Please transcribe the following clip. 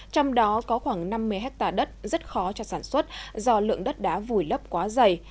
trong đó có khoảng năm mươi hectare đất rất khó cho sản xuất do lượng đất đá vùi lấp quá dày